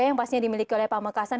yang pastinya dimiliki oleh pamekasan